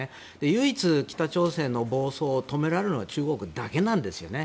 唯一、北朝鮮の暴走を止められるのは中国だけなんですよね。